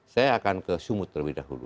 saya akan ke sumut terlebih dahulu